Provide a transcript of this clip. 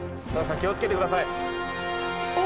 気を付けてください。